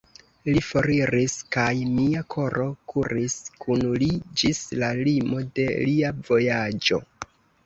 Li foriris, kaj mia koro kuris kun li ĝis la limo de lia vojaĝo.